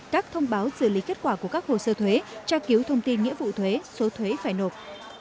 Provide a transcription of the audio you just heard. các thông báo xử lý kết quả của các hồ sơ thuế tra cứu thông tin nghĩa vụ thuế số thuế phải nộp